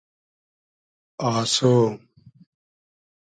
آسۉ